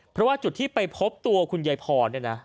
เพราะว่าจุดที่ไปพบตัวคุณยายพรเนี่ยนะ